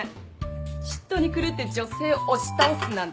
嫉妬に狂って女性押し倒すなんて。